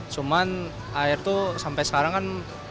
cuman akhir tuh sampai sekarang kan